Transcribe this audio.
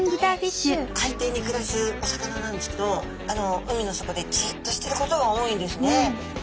海底に暮らすお魚なんですけど海の底でじっとしてることが多いんですね。